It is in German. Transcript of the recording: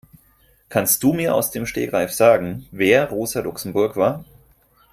Kannst du mir aus dem Stegreif sagen, wer Rosa Luxemburg war?